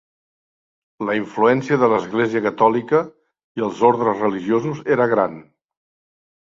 La influència de l'Església catòlica i els ordes religiosos era gran.